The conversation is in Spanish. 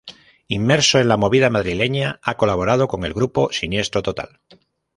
Inmerso en la movida madrileña ha colaborado con el grupo Siniestro Total.